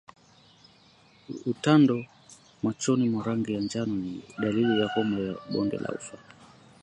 Utando machoni na rangi ya njano ni dalili ya homa ya bonde la ufa